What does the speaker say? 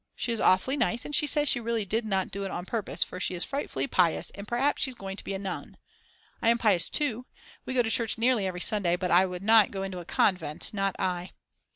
She is awfully nice and she says she really did not do it on purpose for she is frightfully pious and perhaps she's going to be a nun. I am pious too, we go to church nearly every Sunday, but I would not go into a convent, not I.